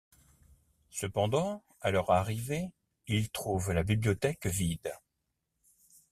Cependant, à leur arrivée, ils trouvent la bibliothèque vide.